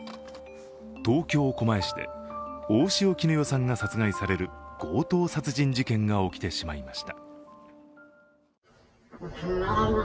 東京・狛江市で大塩衣与さんが殺害される強盗殺人事件が起きてしまいました。